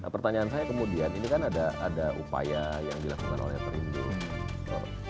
pertanyaan saya kemudian ini kan ada upaya yang dilakukan oleh perindo